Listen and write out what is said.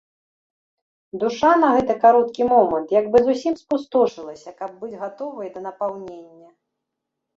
Душа на гэты кароткі момант як бы зусім спустошылася, каб быць гатовай для напаўнення.